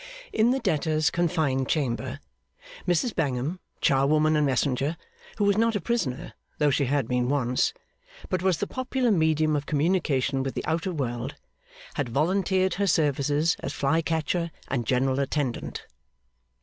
In the debtor's confined chamber, Mrs Bangham, charwoman and messenger, who was not a prisoner (though she had been once), but was the popular medium of communication with the outer world, had volunteered her services as fly catcher and general attendant.